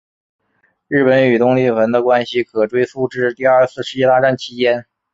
日本与东帝汶的关系可追溯至第二次世界大战期间。